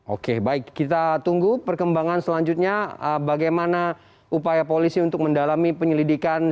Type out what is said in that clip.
oke baik kita tunggu perkembangan selanjutnya bagaimana upaya polisi untuk mendalami penyelidikan